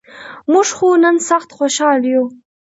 مونږ خو نن سخت خوشال یوو.